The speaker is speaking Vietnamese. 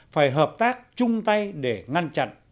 phải hợp tác chung tay để ngăn chặn